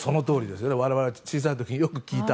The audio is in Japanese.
我々、小さい時によく聞いた。